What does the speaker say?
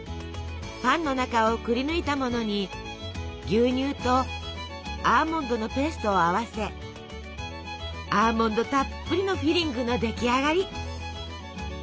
パンの中をくりぬいたものに牛乳とアーモンドのペーストを合わせアーモンドたっぷりのフィリングの出来上がり。